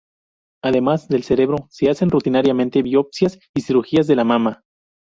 Además del cerebro, se hacen rutinariamente biopsias y cirugías de la mama.